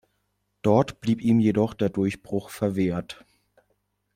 Dort blieb ihm jedoch der Durchbruch verwehrt.